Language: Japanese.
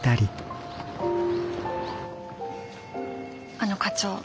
あの課長。